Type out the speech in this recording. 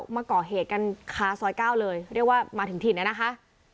มาก่อเหตุกันคาซอย๙เลยเรียกว่ามาถึงถิ่นน่ะนะคะ